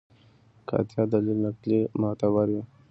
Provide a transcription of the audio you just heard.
قاطع دلیل نقلي معتبر وي.